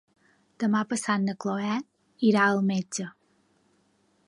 Demà passat na Cloè irà al metge.